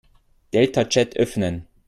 Deltachat öffnen.